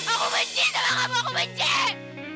aku benci sama ngapa aku benci